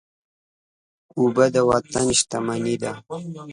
اوبه د وطن شتمني ده.